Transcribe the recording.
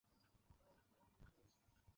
কেউ ছাড়তে চায় না, স্যার।